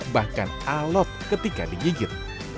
bahkan alot ketika digigit